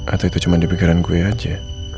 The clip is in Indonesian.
atau itu cuma di pikiran gue aja